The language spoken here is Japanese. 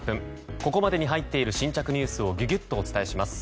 ここまでに入っている新着ニュースをギュギュッとお伝えします。